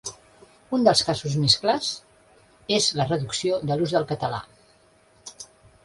Un dels casos més clars és la reducció de l’ús del català.